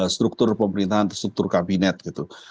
struktur pemerintahan struktur kabinet gitu